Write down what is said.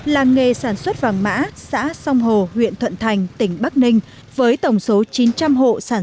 làng nghề sản xuất vàng mã xã sông hồ huyện thuận thành tỉnh bắc ninh với tổng số chín trăm linh hộ sản